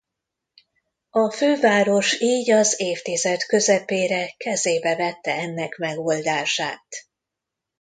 A főváros így az évtized közepére kezébe vette ennek megoldását.